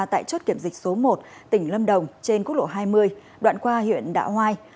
tại chốt kiểm dịch số một tỉnh lâm đồng trên quốc lộ hai mươi đoạn qua huyện đạ hoai